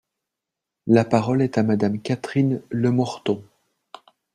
La parole est à Madame Catherine Lemorton.